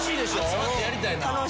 集まってやりたいな。